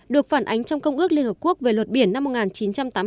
được phản ánh trong công ước liên hợp quốc về luật biển năm một nghìn chín trăm tám mươi hai